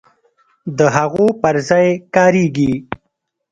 د هغو پر ځای کاریږي.